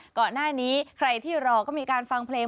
ก่อนหน้านี้ใครที่รอก็มีการฟังเพลง